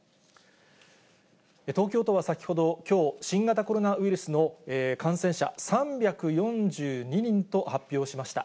東京都は先ほど、きょう、新型コロナウイルスの感染者、３４２人と発表しました。